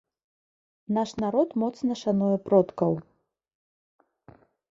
Наш народ моцна шануе продкаў.